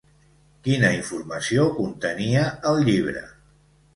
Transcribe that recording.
Quina informació contenia el llibre?